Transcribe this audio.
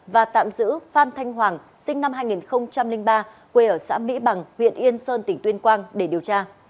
và tạm giữ phan thanh hoàng sinh năm hai nghìn ba quê ở xã mỹ bằng huyện yên sơn tỉnh tuyên quang để điều tra